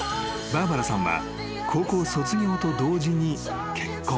［バーバラさんは高校卒業と同時に結婚］